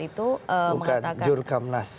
itu bukan jurkamnas